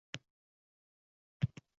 Fan boʻyicha xorijiy manbalarni oʻqishdi